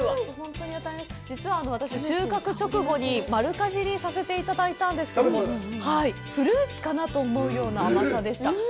実は私、収穫直後に丸かじりさせていただいたんですけど、フルーツかなと思うような甘さでした。